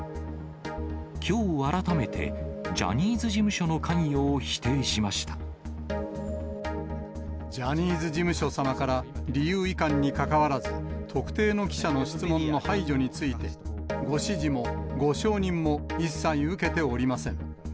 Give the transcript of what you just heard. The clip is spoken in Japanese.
きょう改めて、ジャニーズ事務所ジャニーズ事務所様から理由いかんにかかわらず、特定の記者の質問の排除について、ご指示もご承認も一切受けておりません。